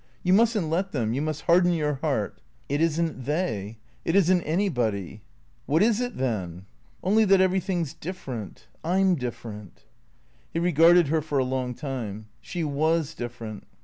You must n't let them. You must harden your heart." " It is n't they. It is n't anybody." "What is it then?" " Only that everything's different. I 'm different." He regarded her for a long time. She was different.